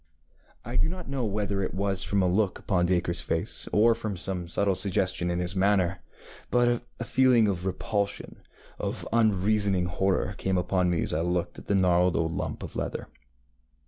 ŌĆØ I do not know whether it was from a look upon DacreŌĆÖs face, or from some subtle suggestion in his manner, but a feeling of repulsion, of unreasoning horror, came upon me as I looked at the gnarled old lump of leather.